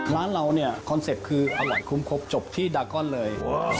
ร้านเราเนี่ยคอนเซ็ปต์คืออร่อยคุ้มครบจบที่ดากอนเลย